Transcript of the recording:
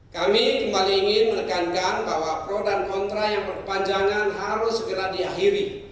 kami kembali ingin menekankan bahwa pro dan kontra yang berkepanjangan harus segera diakhiri